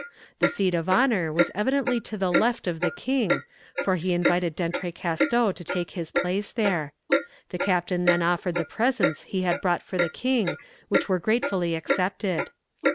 "The seat of honour was evidently to the left of the king, for he invited D'Entrecasteaux to take his place there. The captain then offered the presents he had brought for the king which were gratefully accepted.